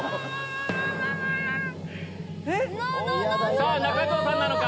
さぁ中条さんなのか？